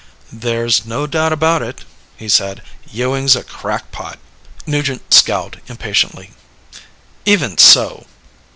"There's no doubt about it," he said. "Ewing's a crackpot." Nugent scowled impatiently. "Even so...."